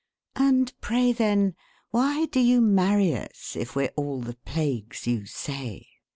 And pray, then, why do you marry us, If we're all the plagues you say?